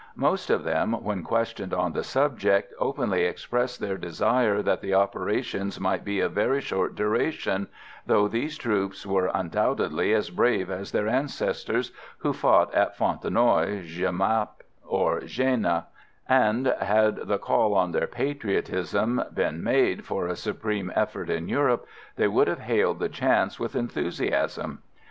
Most of them, when questioned on the subject, openly expressed their desire that the operations might be of very short duration, though these troops were undoubtedly as brave as their ancestors who fought at Fontenoy, Jemappes or Jena, and had the call on their patriotism been made for a supreme effort in Europe, they would have hailed the chance with enthusiasm.